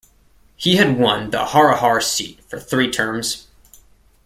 He had won the Harihar seat for three terms.